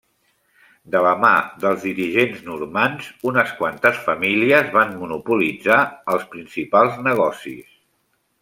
De la mà dels dirigents normands, unes quantes famílies van monopolitzar els principals negocis.